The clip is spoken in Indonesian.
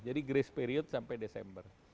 jadi grace period sampai desember